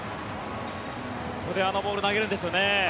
ここであのボールを投げるんですよね。